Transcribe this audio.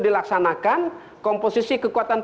dilaksanakan komposisi kekuatan